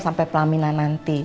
sampai pelamina nanti